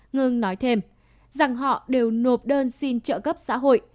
ngưng nói thêm rằng họ đều nộp đơn xin trợ cấp xã hội